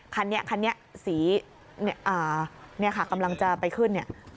คันนี้คันนี้สีนี่ค่ะกำลังจะไปขึ้น